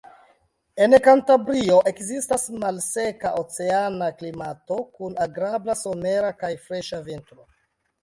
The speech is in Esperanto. En Kantabrio ekzistas malseka oceana klimato kun agrabla somero kaj freŝa vintro.